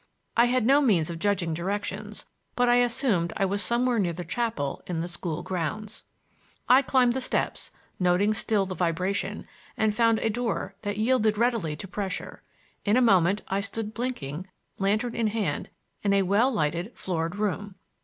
I had no means of judging directions, but I assumed I was somewhere near the chapel in the school grounds. I climbed the steps, noting still the vibration, and found a door that yielded readily to pressure. In a moment I stood blinking, lantern in hand, in a well lighted, floored room.